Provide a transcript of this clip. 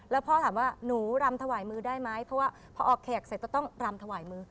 แล้วพ่อถามว่าหนูรำถวายมือได้ไหมเพราะว่าพอออกแขกเสร็จก็ต้องรำถวายมือ